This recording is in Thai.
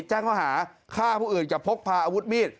แจ้งข้อหาฆ่าผู้อื่นกับพกพาอาวุธมีด